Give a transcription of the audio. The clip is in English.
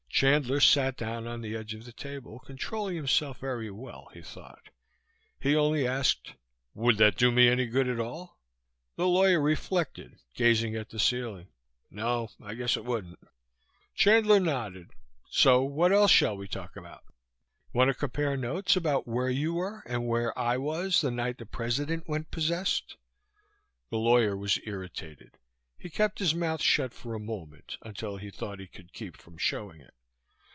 Chandler sat down on the edge of the table, controlling himself very well, he thought. He only asked: "Would that do me any good at all?" The lawyer reflected, gazing at the ceiling. "... No. I guess it wouldn't." Chandler nodded. "So what else shall we talk about? Want to compare notes about where you were and I was the night the President went possessed?" The lawyer was irritated. He kept his mouth shut for a moment until he thought he could keep from showing it.